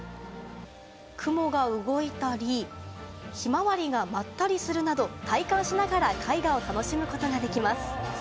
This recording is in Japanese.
雲が動いたり、『ひまわり』が舞ったりするなど、体感しながら絵画を楽しむことができます。